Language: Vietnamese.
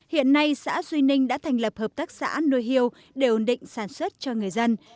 hiện nay xã duy ninh đã thành lập hợp tác xã nuôi hiêu để ổn định sản xuất cho người dân